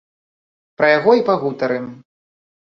Пра яго і пагутарым.